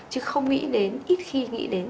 chứ không nghĩ đến ít khi nghĩ đến